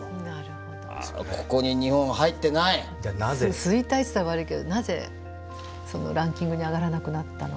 衰退といったら悪いけどなぜランキングに上がらなくなったのか。